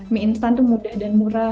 mie instan itu mudah dan murah